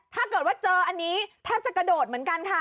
ถ้าเกิดว่าเจออันนี้แทบจะกระโดดเหมือนกันค่ะ